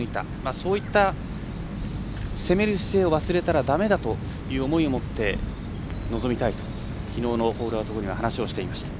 そういった攻める姿勢を忘れたらだめだという思いを持って臨みたいと、きのうのホールアウト後に語りました。